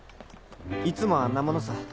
いつもあんなものさ。